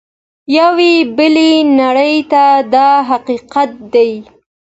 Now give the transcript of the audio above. یوې بلې نړۍ ته دا حقیقت دی.